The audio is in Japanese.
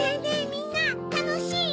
みんなたのしい？